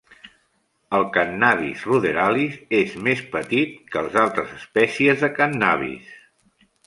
El "Cannabis ruderalis" és més petit que altres espècies de "Cannabis.